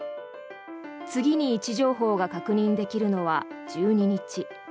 次に位置情報が確認できるのは１２日。